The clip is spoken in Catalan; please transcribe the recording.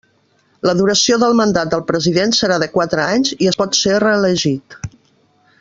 La duració del mandat del president serà de quatre anys, i es pot ser reelegit.